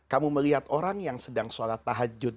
kamu melihat orang yang sedang sholat tahajud